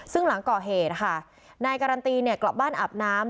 ซึ่งหลังก่อเหตุค่ะนายการันตีกลับบ้านอาบน้ำ